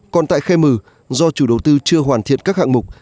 còn tại khe m do chủ đầu tư chưa hoàn thiện các hạng mục